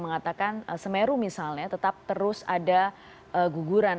mengatakan semeru misalnya tetap terus ada guguran